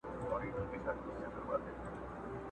پر سپین تندي به اوربل خپور وو اوس به وي او کنه٫